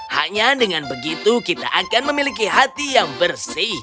hanya dengan begitu kita akan memiliki hati yang bersih